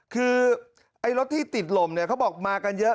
คือรถที่ติดลมเขาบอกมากันเยอะ